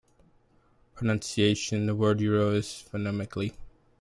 Pronunciation: The word "euro" is phonemically.